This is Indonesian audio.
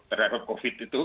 terhadap covid itu